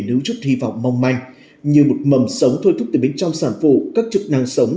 đứng trước hy vọng mong manh như một mầm sống thôi thúc từ bên trong sản phụ các chức năng sống